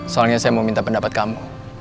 soalnya saya mau minta pendapat kamu